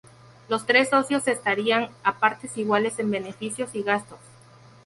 Los tres socios entrarían a partes iguales en beneficios y gastos.